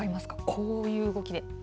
こういう動きで。